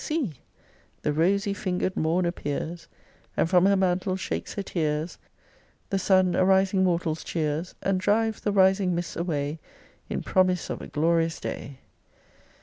See! The rosy finger'd morn appears, And from her mantle shakes her tears: The sun arising mortals cheers, And drives the rising mists away, In promise of a glorious day.